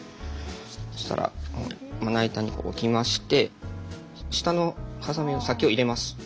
そしたらまな板に置きまして下のハサミの先を入れます。